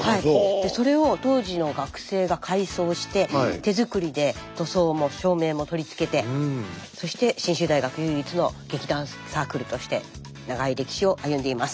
それを当時の学生が改装して手作りで塗装も照明も取り付けてそして信州大学唯一の劇団サークルとして長い歴史を歩んでいます。